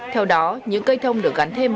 theo đó những cây thông được gắn thêm